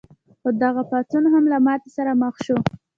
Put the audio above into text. خو دغه پاڅون هم له ماتې سره مخ شو.